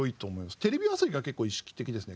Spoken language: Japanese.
テレビ朝日が結構意識的ですね。